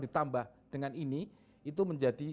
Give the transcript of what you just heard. ditambah dengan ini itu menjadi